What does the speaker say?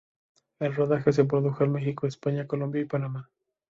El rodaje se produjo en Mexico, España, Colombia y Panamá.